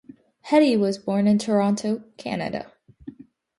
Heti was born in Toronto, Canada.